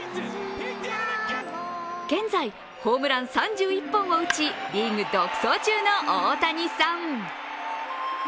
現在、ホームラン３１本を打ち、リーグ独走中の大谷さん。